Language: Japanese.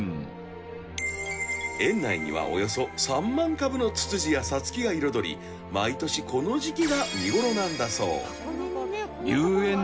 ［園内にはおよそ３万株のツツジやサツキが彩り毎年この時季が見ごろなんだそう］